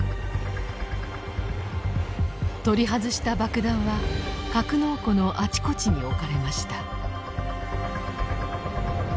取り外した爆弾は格納庫のあちこちに置かれました。